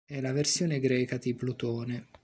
È la versione greca di Plutone.